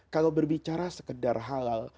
kalau berbicara sekedar halal